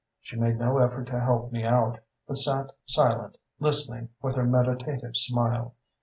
She made no effort to help me out, but sat silent, listening, with her meditative smile.